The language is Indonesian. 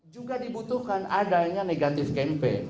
juga dibutuhkan adanya negatif campaign